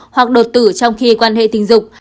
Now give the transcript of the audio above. hoặc đột tử trong khi quan hệ tình dục